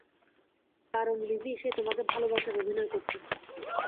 কারণ লিজি, সে তোমাকে ভালোবাসার অভিনয় করতো।